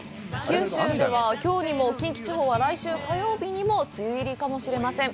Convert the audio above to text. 九州では、きょうにも近畿地方は来週火曜日にも梅雨入りかもしれません。